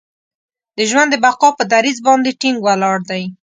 د ژوند د بقا پر دریځ باندې ټینګ ولاړ دی.